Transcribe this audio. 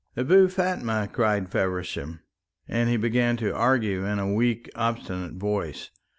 "Abou Fatma!" cried Feversham, and he began to argue in a weak obstinate voice.